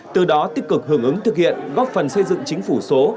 từ đó tích cực hưởng ứng thực hiện góp phần xây dựng chính phủ số